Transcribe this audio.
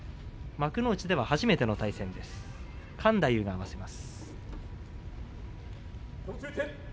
幕内では初めての対戦です。